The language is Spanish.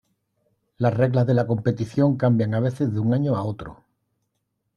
Las reglas de la competición cambian a veces de un año a otro.